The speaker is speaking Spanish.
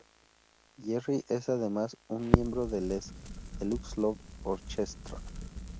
Gerry es además, un miembro de Les Deux Love Orchestra.